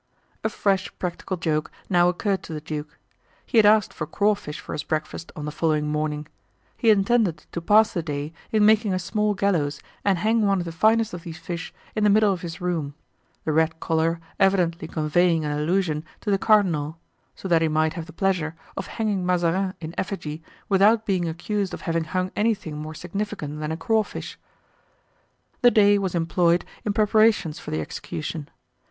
A fresh practical joke now occurred to the duke. He had asked for crawfish for his breakfast on the following morning; he intended to pass the day in making a small gallows and hang one of the finest of these fish in the middle of his room—the red color evidently conveying an allusion to the cardinal—so that he might have the pleasure of hanging Mazarin in effigy without being accused of having hung anything more significant than a crawfish. The day was employed in preparations for the execution.